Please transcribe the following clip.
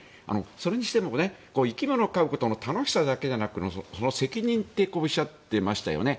それにしても生き物を飼うことの楽しさだけでなく責任っておっしゃってましたよね。